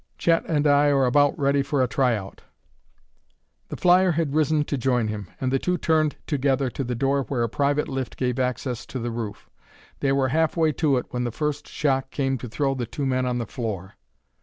Chet and I are about ready for a try out." The flyer had risen to join him, and the two turned together to the door where a private lift gave access to the roof. They were halfway to it when the first shock came to throw the two men on the floor.